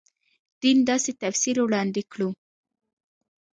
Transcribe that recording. دین داسې تفسیر وړاندې کړو.